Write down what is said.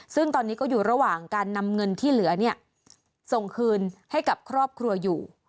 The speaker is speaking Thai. ซึ่งตอนนี้ก็อยู่ระหว่างการนำเงินที่เหลือเนี่ยส่งคืนให้กับครอบครัวอยู่